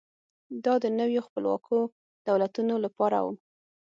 دا د نویو خپلواکو دولتونو لپاره و.